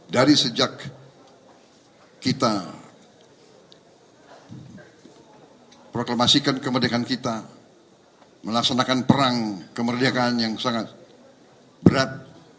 dari sejak kita proklamasikan kemerdekaan kita melaksanakan perang kemerdekaan yang sangat berat